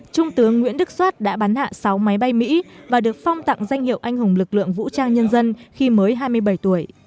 trung tướng nguyễn đức soát đã bắn hạ sáu máy bay mỹ và được phong tặng danh hiệu anh hùng lực lượng vũ trang nhân dân khi mới hai mươi bảy tuổi